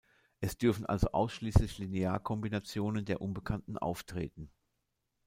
Es dürfen also ausschließlich Linearkombinationen der Unbekannten auftreten.